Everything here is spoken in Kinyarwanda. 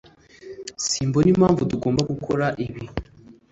Simbona impamvu tugomba gukora ibi.